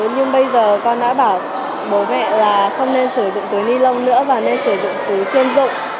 nhưng bây giờ con đã bảo bố mẹ là không nên sử dụng túi ni lông nữa và nên sử dụng túi chuyên dụng